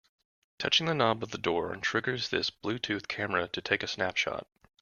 Touching the knob of the door triggers this Bluetooth camera to take a snapshot.